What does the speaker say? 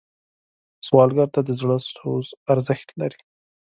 سوالګر ته د زړه سوز ارزښت لري